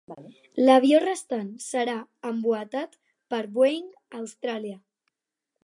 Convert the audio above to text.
L'avió restant serà emboetat per Boeing Austràlia.